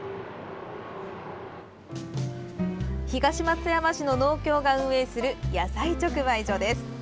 東松山市の農協が運営する野菜直売所です。